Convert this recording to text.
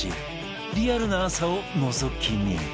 リアルな朝をのぞき見